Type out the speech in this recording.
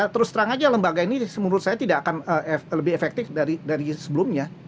terus terang aja lembaga ini menurut saya tidak akan lebih efektif dari sebelumnya